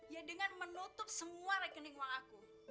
ya dengan menutup semua rekening uang aku